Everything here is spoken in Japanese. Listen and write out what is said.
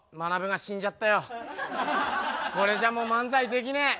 これじゃもう漫才できねえ。